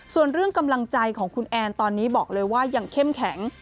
ส่วนเรื่องกำลังใจของคุณแอนตอนนี้บอกเลยว่ายังเข้มแข็ง